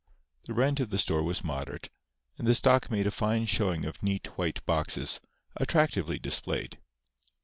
The rent of the store was moderate; and the stock made a fine showing of neat white boxes, attractively displayed.